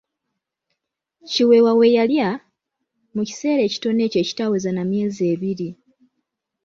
Kiweewa bwe yalya, mu kiseera ekitono ekyo ekitaaweza na myezi ebiri.